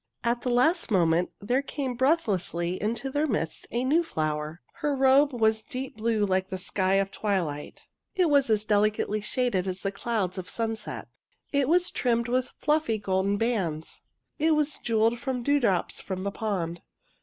At the last moment there came breathlessly into their midst a new flower. Her robe was deep blue like the sky of twilight. It was as 148 THE IRIS delicately shaded as the clouds of sunset. It was trimmed with fluffy golden bands. It was jewelled with dewdrops from the pond.